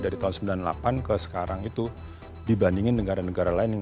dari tahun sembilan puluh delapan ke sekarang itu dibandingin negara negara lain